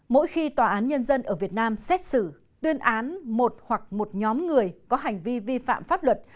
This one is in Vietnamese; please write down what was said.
mỗi khi tòa án nhân dân ở việt nam xét xử tuyên án một hoặc một nhóm người có hành vi vi phạm pháp luật